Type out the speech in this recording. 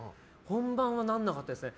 本番はならなかったですね。